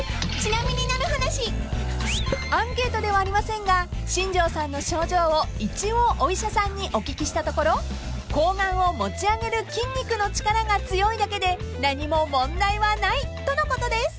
［アンケートではありませんが新庄さんの症状を一応お医者さんにお聞きしたところ睾丸を持ち上げる筋肉の力が強いだけで何も問題はないとのことです］